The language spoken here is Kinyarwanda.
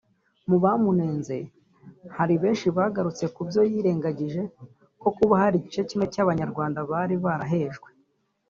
Mu bamunenze hari benshi bagarutse ku byo yirengagije nko kuba hari igice kimwe cy’abanyarwanda bari barahejwe